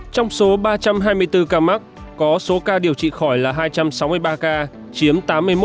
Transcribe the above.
trong số ba trăm hai mươi bốn ca mắc có số ca điều trị khỏi là hai trăm sáu mươi ba ca chiếm tám mươi một